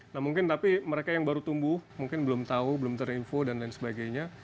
nah mungkin tapi mereka yang baru tumbuh mungkin belum tahu belum terinfo dan lain sebagainya